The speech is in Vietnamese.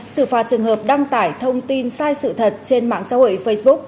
xử phạt trường hợp đăng tải thông tin sai sự thật trên mạng xã hội facebook